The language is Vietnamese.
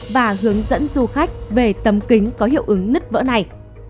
và hướng dẫn du khách về tấm kính có hiệu ứng nứt vỡ này